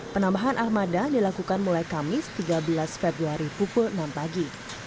penambahan armada dilakukan mulai kamis tiga belas februari pukul enam pagi